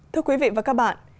thưa quý vị và các bạn